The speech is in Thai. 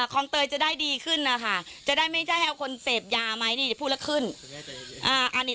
คลองเตยจะได้ดีขึ้นนะคะจะได้ไม่ใช่ให้เอาคนเสพยาไหมนี่จะพูดแล้วขึ้น